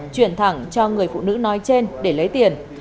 chuyển thẳng cho người phụ nữ nói trên để lấy tiền